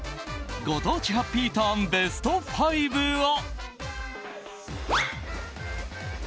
ご当地ハッピーターンベスト５を。